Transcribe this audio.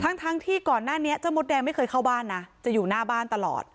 ทั้งที่ก่อนหน้านี้เจ้ามดแดงไม่เคยเข้าบ้านนะจะอยู่หน้าบ้านตลอด